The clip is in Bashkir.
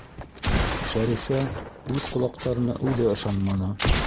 Шәрифә үҙ ҡолаҡтарына үҙе ышанманы.